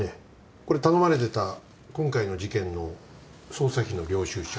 これ頼まれてた今回の事件の捜査費の領収書。